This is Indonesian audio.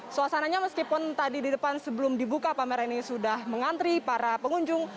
suasananya meskipun tadi di depan sebelum dibuka pameran ini sudah mengantri para pengunjung